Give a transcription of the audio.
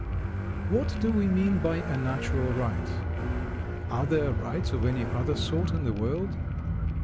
What do we mean by a "natural right?" Are there rights of any other sort in the world?